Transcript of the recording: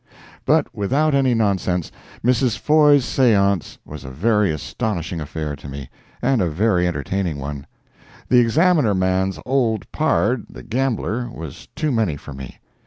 But without any nonsense, Mrs. Foye's seance was a very astonishing affair to me—and a very entertaining one. The Examiner man's "old pard," the gambler, was too many for me.